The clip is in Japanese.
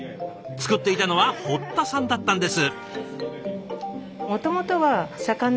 作っていたのは堀田さんだったんです。